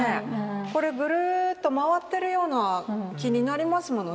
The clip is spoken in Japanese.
これぐるっと回ってるような気になりますものね。